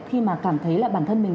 khi mà cảm thấy là bản thân mình